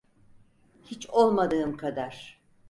Hiç olmadığım kadar.